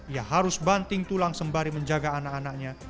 ia harus banting tulang sembari menjaga anak anaknya